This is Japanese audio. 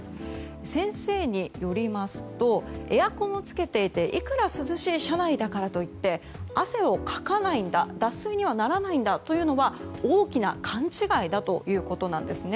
先生によりますとエアコンをつけていていくら涼しい車内だからといって汗をかかない脱水にはならないんだというのは大きな勘違いだということです。